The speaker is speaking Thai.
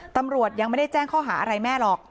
ตำรวจยังไม่ได้แจ้งข้อหาอะไรแม่หรอก